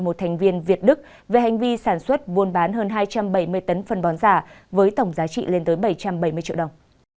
một thành viên việt đức về hành vi sản xuất buôn bán hơn hai trăm bảy mươi tấn phân bón giả với tổng giá trị lên tới bảy trăm bảy mươi triệu đồng